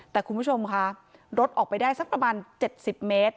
แต่คุณผู้ชมค่ะรถออกไปได้สักประมาณ๗๐เมตร